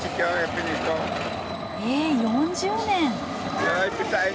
え４０年。